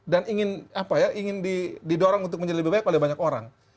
dan ingin didorong untuk menjadi lebih baik oleh banyak orang